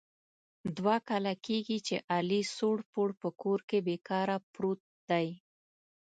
دوه کال کېږي چې علي سوړ پوړ په کور کې بې کاره پروت دی.